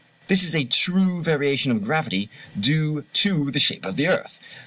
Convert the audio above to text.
This is a true variation of gravity due to the shape of the earth.